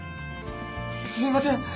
すみません！